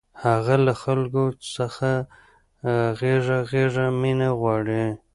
هغه له خلکو څخه غېږه غېږه مینه غواړي